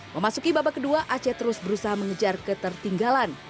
memasuki babak kedua aceh terus berusaha mengejar ke tertentu